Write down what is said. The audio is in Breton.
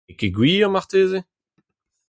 N’eo ket gwir, marteze ?